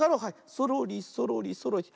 そろりそろりそろりって。